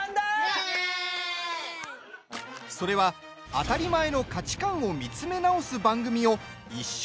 それは、当たり前の価値観を見つめ直す番組を一緒に見ること。